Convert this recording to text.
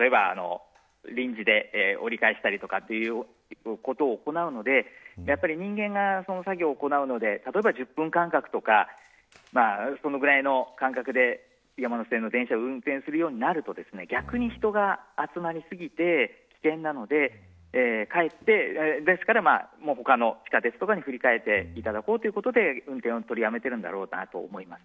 例えば臨時で折り返したりとかということを行うので人間が、その作業を行うので例えば１０分間隔とかそのぐらいの間隔で山手線の電車を運転するようになると逆に人が集まり過ぎて危険なのでですから他の地下鉄とかに振り替えていただこうということで運転を取りやめているんだろうと思います。